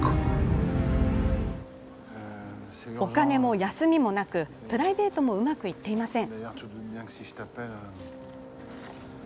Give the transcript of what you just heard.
お金も休みもなくプライベートもうまくいっていません。